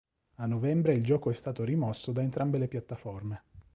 A novembre il gioco è stato rimosso da entrambe le piattaforme.